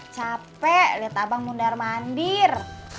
capek lihat abang mundar mandir